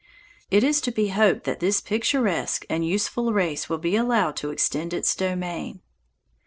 It is to be hoped that this picturesque and useful race will be allowed to extend its domain.